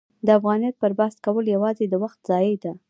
د افغانیت پر بحث کول یوازې د وخت ضایع ده.